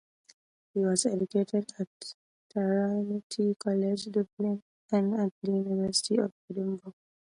He was educated at Trinity College, Dublin, and at the University of Edinburgh.